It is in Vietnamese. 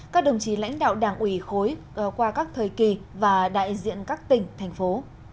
các đồng chí lãnh đạo đảng ủy khối qua các thời kỳ và đại diện các tỉnh thành phố